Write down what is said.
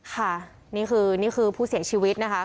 ค่ะนี่คือผู้เสียชีวิตนะคะ